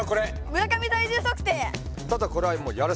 村上体力測定。